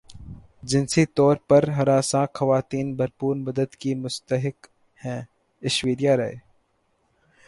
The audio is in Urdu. جنسی طور پر ہراساں خواتین بھرپور مدد کی مستحق ہیں ایشوریا رائے